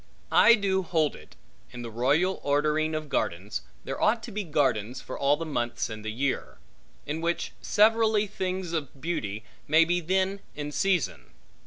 I do hold it, in the royal ordering of gardens, there ought to be gardens, for all the months in the year; in which severally things of beauty may be then in season.